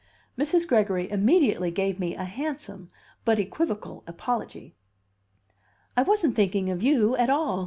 Mrs. Gregory immediately made me a handsome but equivocal apology. "I wasn't thinking of you at all!"